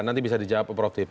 nanti bisa dijawab prof tip